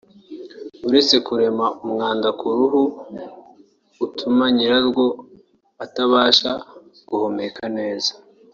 uretse kurema umwanda ku ruhu utuma nyirarwo atabasha guhumeka neza